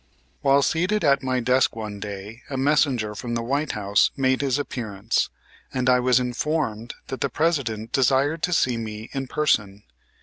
While seated at my desk one day a messenger from the White House made his appearance, and I was informed that the President desired to see me in person.